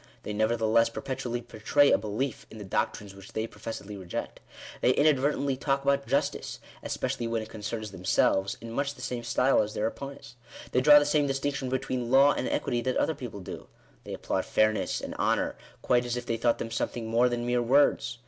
They nevertheless perpetually betray a belief in the doctrines which they professedly reject. They inadvertently talk about Justice, especially when it concerns themselves, in much the same style as their opponents. They draw the same distinction between law and equity that other people do. They applaud fairness, and honour, quite as if they thought them something more than mere words.